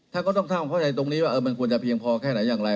ถ้าก็ต้องทำความเข้าใจตรงนี้ว่ามันควรจะเพียงพอแค่ไหนอย่างไร